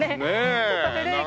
ちょっと古い形の。